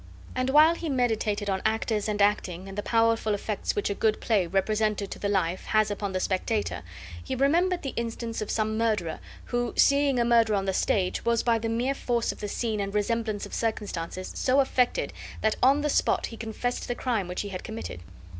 and while he meditated on actors and acting, and the powerful effects which a good play, represented to the life, has upon the spectator, he remembered the instance of some murderer, who, seeing a murder on the stage, was by the mere force of the scene and resemblance of circumstances so affected that on the spot he confessed the crime which he had committed.